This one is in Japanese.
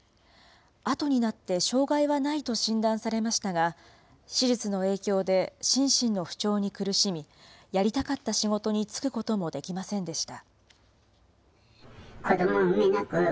あとになって障害はないと診断されましたが、手術の影響で心身の不調に苦しみ、やりたかった仕事に就くこともできませんでした。